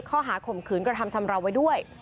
ข่มขืนกระทำชำราวไว้ด้วย